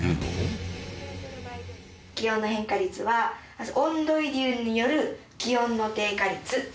気温の変化率はまず温度移流による気温の低下率。